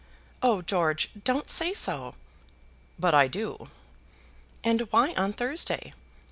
"Oh, George, don't say so!" "But I do." "And why on Thursday?